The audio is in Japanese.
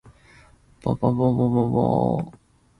ぼぼぼぼぼお